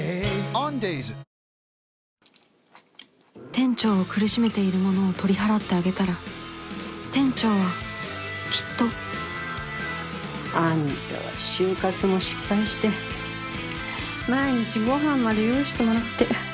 店長を苦しめているものを取り払ってあげたら店長はきっとあんたは就活も失敗して毎日ご飯まで用意してもらって。